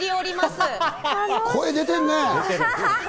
声、出てるね。